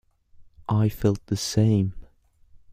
I felt the same.